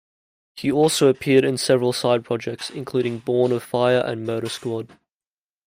He also appeared in several side-projects, including Born of Fire and Murder Squad.